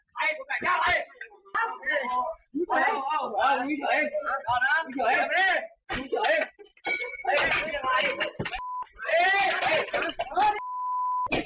หิดตกหัวเดียวงี่วันนี้มีอยู่หิดภาพแบบหนึ่ง